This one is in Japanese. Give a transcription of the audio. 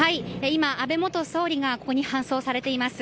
今、安倍元総理がここに搬送されています。